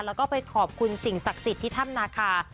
แล้วก็ไปขอบคุณสิ่งศักดิ์สิทธิ์ที่ถ้ำนาคา